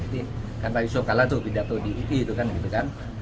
jadi kan pak soekarno tuh pidato di iki gitu kan gitu kan